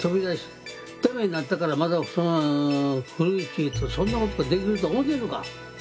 ダメになったからまた古市へとそんなことできると思てんのか！」。